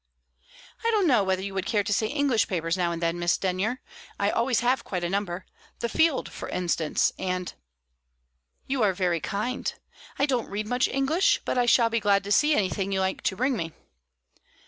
"I don't know whether you would care to see English papers now and then, Miss Denyer? I always have quite a number. The Field, for instance, and " "You are very kind, I don't read much English, but I shall be glad to see anything you like to bring me."